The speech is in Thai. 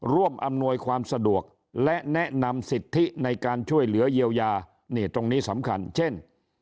อำนวยความสะดวกและแนะนำสิทธิในการช่วยเหลือเยียวยานี่ตรงนี้สำคัญเช่น